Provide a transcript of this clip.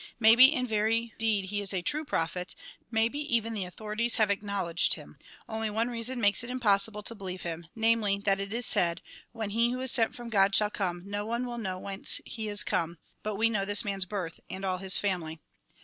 Maybe in very deed he is a true prophet ; maybe even the author ities have acknowledged him. Only one reason makes it impossible to believe him, namely, that it is said, when he who is sent from God shall come, no one will know whence he is come; but we know this man's birth, and all his family."